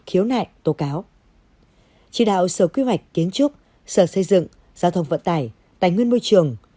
khiếu nại tố cáo chỉ đạo sở kế hoạch kiến trúc sở xây dựng giao thông vận tải tài nguyên môi trường